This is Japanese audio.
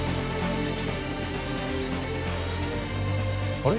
あれ？